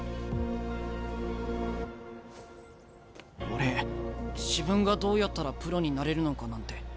俺自分がどうやったらプロになれるのかなんて